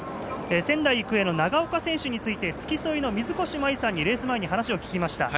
仙台育英の長岡選手について付き添いの方にレース前に話を聞きました。